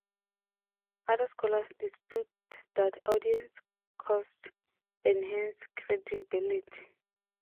Other scholars dispute that audience costs enhance credibility.